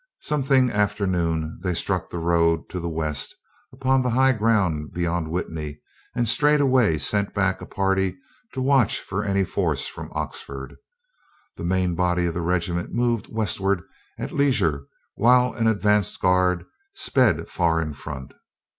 Something after noon they struck the road to the west upon the high ground beyond Witney and straightway sent back a party to watch for any force from Oxford. The main body of the regiment moved westward at leisure while an advance guard sped far in front.